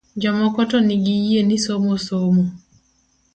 Jomoko to nigi yie ni somo somo